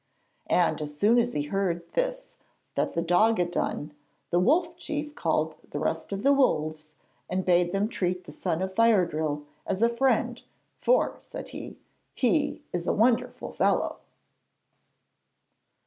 And as soon as he heard this that the dog had done, the Wolf Chief called the rest of the Wolves, and bade them treat the son of Fire drill as a friend, 'for,' said he, 'he is a wonderful fellow.'